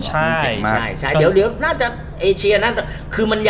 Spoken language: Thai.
ใช่น่าจะเอเชียน่าจะ